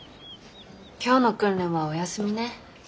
今日の訓練はお休みね。